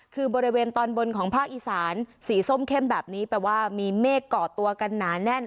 คือบริเวณตอนบนของภาคอีสานสีส้มเข้มแบบนี้แปลว่ามีเมฆก่อตัวกันหนาแน่น